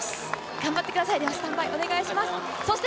頑張ってください。